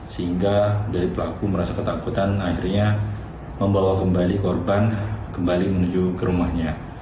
sehingga dari pelaku merasa ketakutan akhirnya membawa kembali korban kembali menuju ke rumahnya